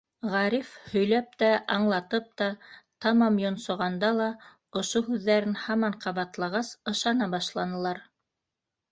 Ғариф һөйләп тә, аңлатып та тамам йонсоғанда ла ошо һүҙҙәрен һаман ҡабатлағас, ышана башланылар.